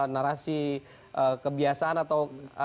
narasi kebiasaan atau